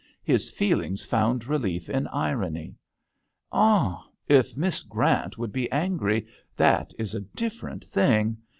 His feelings found relief in irony. *'Ah! If Miss Grant would be angry, that is a different thing.